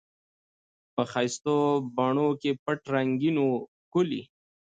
په ښایستو بڼو کي پټ رنګین وو ښکلی